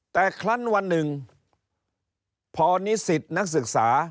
แต่คลั้นวันหนึ่งพอนิสิตนักศึกษา